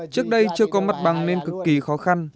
trước đây chưa có mặt bằng nên cực kỳ khó khăn